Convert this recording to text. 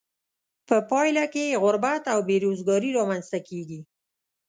په پایله کې یې غربت او بې روزګاري را مینځ ته کیږي.